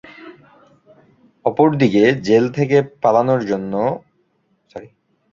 অপরদিকে জেল থেকে পালানোর পথে এটিএম শামসুজ্জামান ও ব্ল্যাক আনোয়ার পুলিশের গুলিতে মারা গেলে আসল ঘটনার কোন সাক্ষী থাকে না।